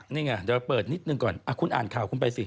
นี่ไงเดี๋ยวเปิดนิดหนึ่งก่อนคุณอ่านข่าวคุณไปสิ